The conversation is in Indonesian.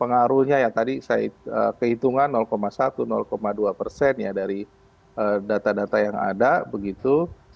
pengaruhnya yang tadi saya kehilangan satu dua persen ya dari data data yang ada begitu